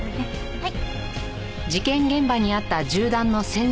はい。